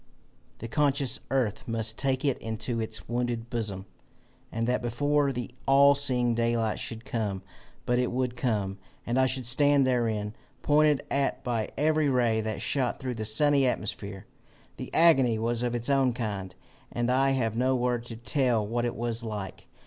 The conscious earth must take it into its wounded bosom, and that before the all seeing daylight should come. But it would come, and I should stand therein pointed at by every ray that shot through the sunny atmosphere! "The agony was of its own kind, and I have no word to tell what it was like.